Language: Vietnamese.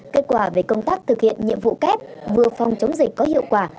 kết quả về công tác thực hiện nhiệm vụ kép vừa phòng chống dịch có hiệu quả